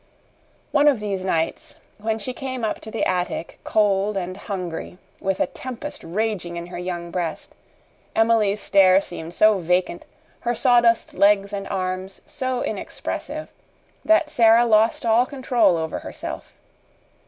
One of these nights, when she came up to the attic cold and hungry, with a tempest raging in her young breast, Emily's stare seemed so vacant, her sawdust legs and arms so inexpressive, that Sara lost all control over herself.